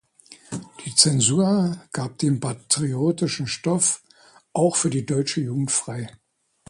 Die Zensur gab den patriotischen Stoff auch für die deutsche Jugend frei.